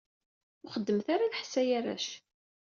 Ur xeddmet ara lḥess ay arrac.